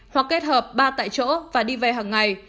hoặc kết hợp ba tại chỗ và đi về hàng ngày